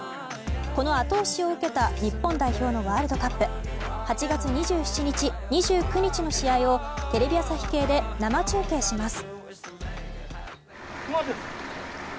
この後押しを受けた日本代表のワールドカップ８月２７日、２９日の試合をテレビ朝日系で生中継します。